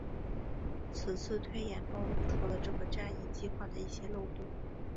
此次推演暴露出了这个战役计划的一些漏洞。